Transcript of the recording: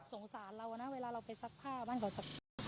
สงสารเรานะเวลาเราไปซักผ้าบ้านเขาสัก